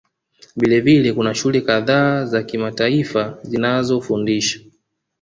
Vilevile kuna shule kadhaa za kimataifa zinazofundisha